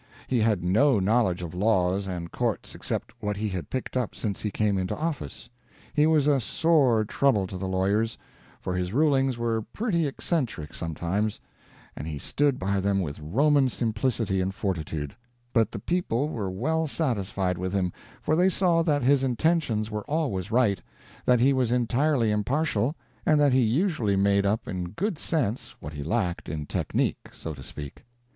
He had no knowledge of laws and courts except what he had picked up since he came into office. He was a sore trouble to the lawyers, for his rulings were pretty eccentric sometimes, and he stood by them with Roman simplicity and fortitude; but the people were well satisfied with him, for they saw that his intentions were always right, that he was entirely impartial, and that he usually made up in good sense what he lacked in technique, so to speak.